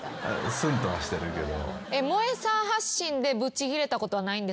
スンとはしてるけど。